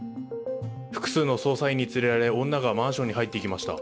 複数の捜査員に連れられ、女がマンションい入っていきました。